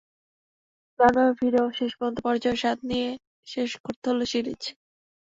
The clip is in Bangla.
দারুণভাবে ফিরেও শেষ পর্যন্ত পরাজয়ের স্বাদ নিয়ে শেষ করতে হলো সিরিজ।